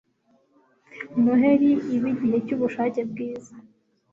noheri ibe igihe cyubushake bwiza